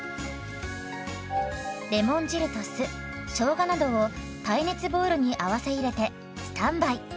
レモン汁と酢しょうがなどを耐熱ボウルに合わせ入れてスタンバイ。